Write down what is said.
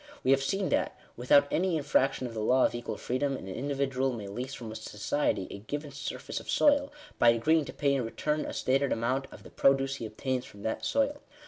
We have seen that, without any infraction of the law of equal freedom, an individual may lease from society a given surface of soil, by agreeing to pay in return a stated amount of the produce he obtains from that soil.